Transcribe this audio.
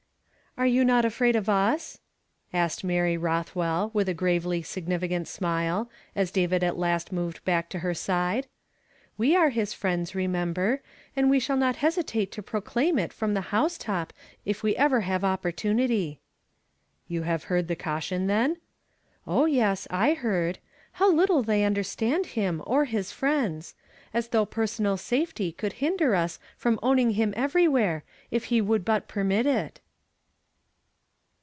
"Are you not afraid of us?" asked ^fary IJoth well, with a grav(dy significant smile, as David at last moved back to hcrsich We are his friend.^ remember, and we shall not hesitate to proclaim it from the housetop if we ever have opportunity." '• Vou heanl the caution, then ?" "Oh, yes, I heard. How little they understand him or his friends I As though personal safety could hinder us from owning him everywhere, if he would but i)ermit it."